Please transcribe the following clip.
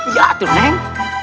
ya tuh neng